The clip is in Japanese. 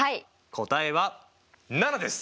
答えは７です！